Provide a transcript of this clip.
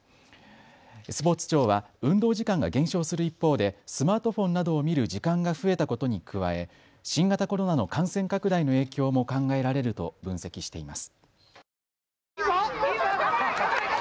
スポーツ庁は運動時間が減少する一方でスマートフォンなどを見る時間が増えたことに加え新型コロナの感染拡大の影響も考えられると分析しています。